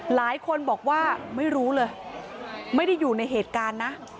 หลายคนบอกว่าไม่รู้เลยไม่ได้อยู่ในเหตุการณ์นะ